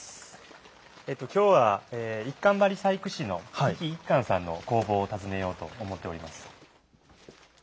今日は一閑張細工師の飛来一閑さんの工房を訪ねようと思っております。